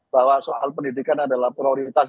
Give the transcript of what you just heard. bahwa soal pendidikan adalah prioritas